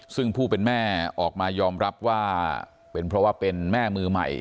ซึ่งผู้เป็นแม่ออกมายอมรับว่าเป็นเพราะว่าเป็นแม่มือใหม่